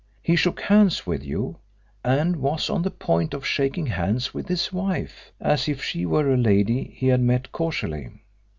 He shook hands with you and was on the point of shaking hands with his wife as if she were a lady he had met casually.